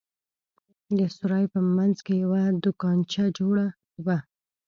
د سراى په منځ کښې يوه دوکانچه جوړه وه.